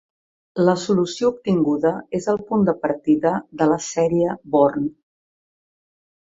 La solució obtinguda és el punt de partida de la sèrie Born.